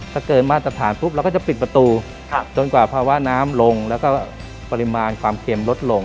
ถ้าเกินมาตรฐานปุ๊บเราก็จะปิดประตูจนกว่าภาวะน้ำลงแล้วก็ปริมาณความเค็มลดลง